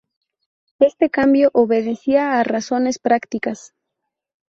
Este cambio obedecía a razones prácticas.